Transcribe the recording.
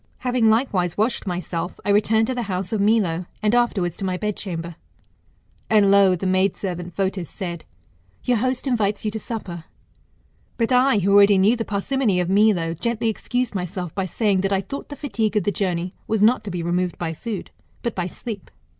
Having likewise washed myself, I returned to the house of Milo; and afterwards to my bedchamber. And lo ! the maid servant Fotis said. Your host invites you to supper. But I, who already knew the parsimony of Milo, gently excused myself by saying, that I thought the fatigue of the journey was not to be removed by food, but by sleep.